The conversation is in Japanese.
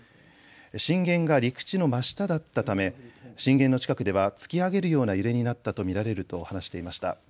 震源が陸地の真下だったため震源の近くでは突き上げるような揺れになったと見られると話していました。